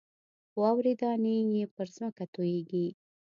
واورې دانې چې پر ځمکه تویېږي.